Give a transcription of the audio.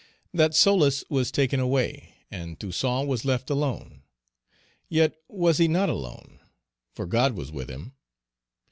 That solace was taken away, and Toussaint was left alone. Yet was he not alone, for God was with him.